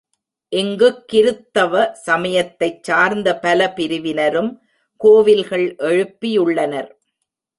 இங்குக் கிருத்தவ சமயத்தைச் சார்ந்த பல பிரிவினரும் கோவில்கள் எழுப்பியுள்ளனர்.